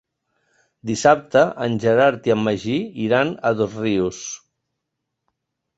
Dissabte en Gerard i en Magí iran a Dosrius.